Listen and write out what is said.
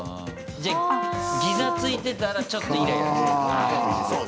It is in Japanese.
じゃあギザついてたらちょっとイライラするんだ。